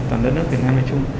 toàn đất nước việt nam nói chung